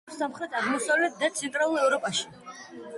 ბინადრობს სამხრეთ-აღმოსავლეთ და ცენტრალურ ევროპაში.